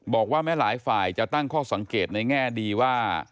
บอกว่าแม้หลายฝ่ายจะตั้งข้อสังเกตในแง่ดีว่า